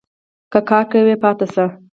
که کار کوی ؟ پاته سئ